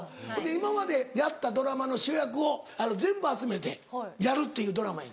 今までやったドラマの主役を全部集めてやるっていうドラマや。